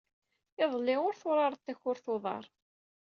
Iḍelli, turared takurt n uḍar.